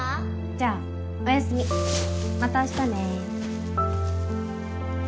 ・じゃあおやすみまた明日ね。